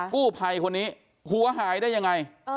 กู้ภัยคนนี้หัวหายได้ยังไง